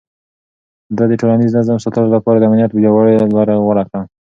ده د ټولنيز نظم ساتلو لپاره د امنيت پياوړې لارې غوره کړې.